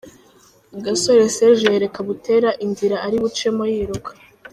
Gasore Serge yereka Butera inzira aribucemo yiruka.